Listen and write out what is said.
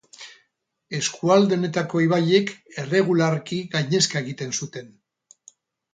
Eskualde honetako ibaiek erregularki gainezka egiten zuten.